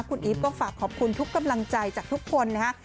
คุณอีฟก็ฝากขอบคุณทุกกำลังใจจากทุกคนนะฮะ